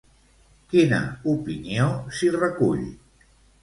Quina opinió s'hi recull?